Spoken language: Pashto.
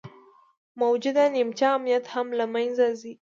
موجوده نیمچه امنیت هم له منځه ځي